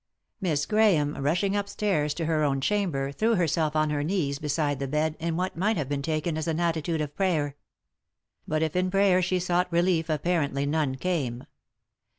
Miss Grahame, rushing upstairs to her own chamber, threw herself on her knees beside the bed in what might have been taken as an attitude of prayer. But if in prayer she sought relief apparently none came.